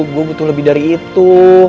gue butuh lebih dari itu